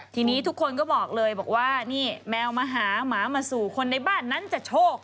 ทีนี้ทุกคนก็บอกเลยบอกว่านี่แมวมาหาหมามาสู่คนในบ้านนั้นจะโชค